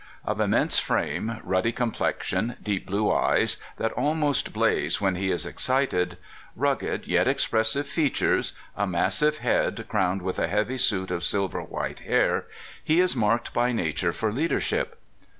Of immense frame, rud dy complexion, deep blue eyes that almost blaze when he is excited, rugged yet expressive features, a massive head crowned with a heavy suit of sil ver w^hite hair, he is marked by nature for lead ership.